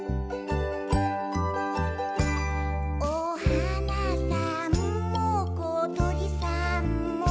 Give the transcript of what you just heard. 「おはなさんもことりさんも」